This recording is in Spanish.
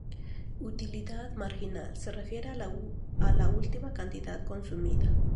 Utilidad Marginal: Se refiere a la última cantidad consumida.